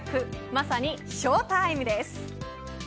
まさにショータイムです。